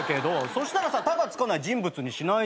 そしたら「た」が付かない人物にしないと。